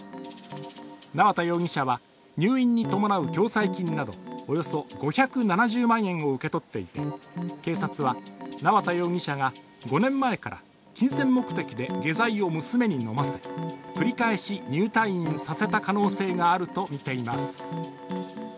縄田容疑者は入院に伴う共済金などおよそ５７０万円を受け取っていて、警察は縄田容疑者が５年前から金銭目的で下剤を娘に飲ませ繰り返し入退院させたとみています。